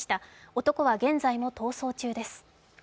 男は現在も逃走中です。